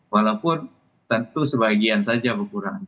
walaupun tentu sebagian saja berkurang